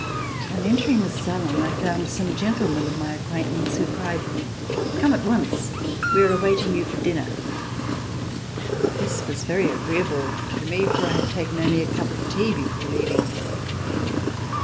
On entering the salon I found some gentlemen of my acquaintance who cried: "Come at once, we are awaiting you for dinner!" This was very agreeable to me for I had taken only a cup of tea before leaving.